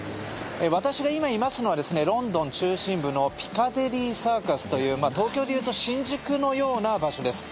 私が今、いますのはロンドン中心部のピカデリーサーカスという東京でいうと新宿のような場所です。